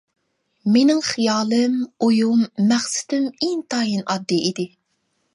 مېنىڭ خىيالىم، ئويۇم، مەقسىتىم ئىنتايىن ئاددىي ئىدى.